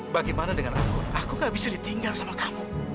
bagaimana dengan aku aku gak bisa ditinggal sama kamu